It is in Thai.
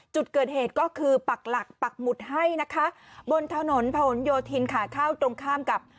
จุดเกิดเหตุก็คือปักหลักปักหมุดให้นะคะบนถนนผนโยธินขาเข้าตรงข้ามกับ